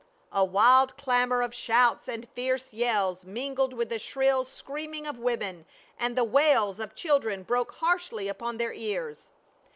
A wild clamor of shouts and fierce yells mingled with the shrill screaming of women and the wails of children broke harshly upon their ears.